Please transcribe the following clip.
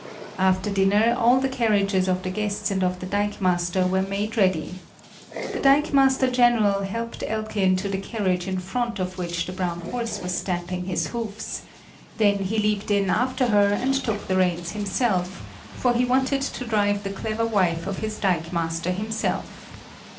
After dinner all the carriages of the guests and of the dikemaster were made ready. The dikemaster general helped Elke into the carriage in front of which the brown horse was stamping his hoofs; then he leaped in after her and took the reins himself, for he wanted to drive the clever wife of his dikemaster himself.